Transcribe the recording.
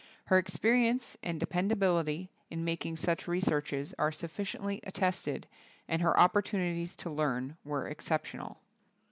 Her experience and dependability in mak ing such researches are sufficiently at tested, and her opportunities to learn were exceptional.